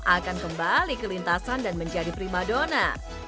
akan kembali ke lintasan dan menjadi prima dona